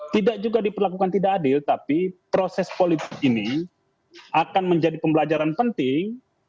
tidak juga diperlakukan tidak adil tapi proses politik ini akan menjadi pembelajaran penting